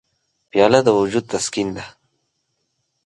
پیاله د وجود تسکین ده.